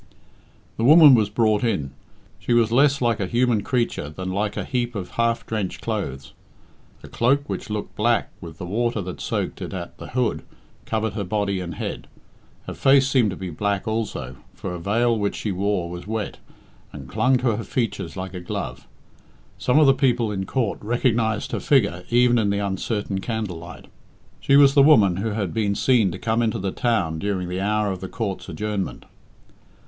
The woman was brought in. She was less like a human creature than like a heap of half drenched clothes. A cloak which looked black with the water that soaked it at the hood covered her body and head. Her face seemed to be black also, for a veil which she wore was wet, and clung to her features like a glove. Some of the people in court recognised her figure even in the uncertain candlelight. She was the woman who had been seen to come into the town during the hour of the court's adjournment.